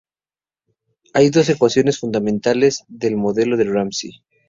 Hay dos ecuaciones fundamentales del modelo de Ramsey.